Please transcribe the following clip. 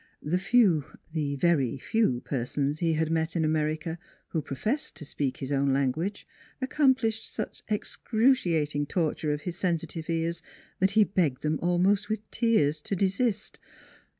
The few the very few persons he had met in America who professed to speak his own language accomplished such excruciating torture of his sensitive ears that he begged them almost with tears to desist.